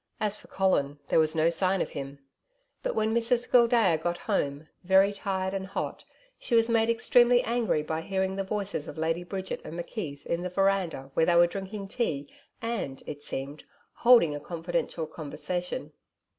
As for Colin, there was no sign of him. But when Mrs Gildea got home very tired, and hot she was made extremely angry by hearing the voices of Lady Bridget and McKeith in the veranda where they were drinking tea and, it seemed, holding a confidential conversation.